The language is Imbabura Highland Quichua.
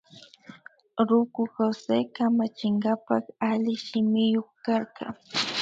Ruku Jose kamachinkapak alli shimiyuk karka